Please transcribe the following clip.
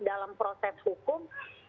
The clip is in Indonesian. dalam proses hukum